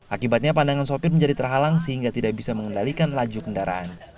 akibatnya pandangan sopir menjadi terhalang sehingga tidak bisa mengendalikan laju kendaraan